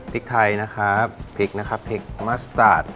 พริกไทยนะครับพริกนะครับพริกมัสตาร์ท